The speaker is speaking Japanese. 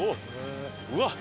うわっ！